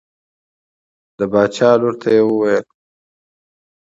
د باچا لور ته یې وویل.